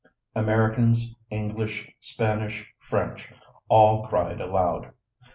Americans, English, Spanish, French all cried aloud.